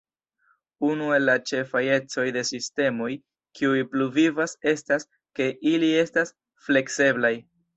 Unu el la ĉefaj ecoj de sistemoj kiuj pluvivas estas ke ili estas flekseblaj.